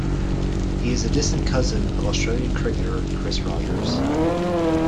He is a distant cousin of Australian cricketer Chris Rogers.